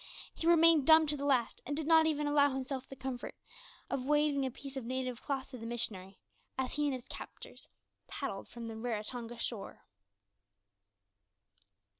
He remained dumb to the last, and did not even allow himself the small comfort of waving a piece of native cloth to the missionary, as he and his captors paddled from the Raratonga shore.